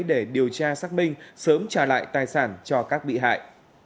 để điều tra xác minh sớm trả lại tài sản cho các bị hại